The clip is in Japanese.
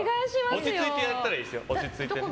落ち着いてやったらいいですよ。